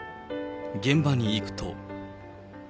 現場に行くと。